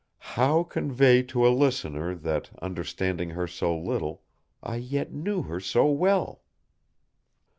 How convey to a listener that, understanding her so little, I yet knew her so well?